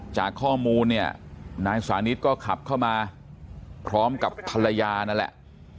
จากข้อมูลเนี่ยนายสานิทก็ขับเข้ามาพร้อมกับภรรยานั่นแหละ